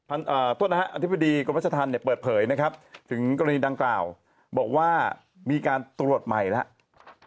โทษนะฮะอธิบดีกรมราชธรรมเนี่ยเปิดเผยนะครับถึงกรณีดังกล่าวบอกว่ามีการตรวจใหม่แล้ว